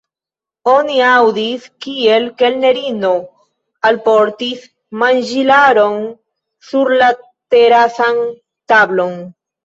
Oni aŭdis, kiel kelnerino alportis manĝilaron sur la terasan tablon.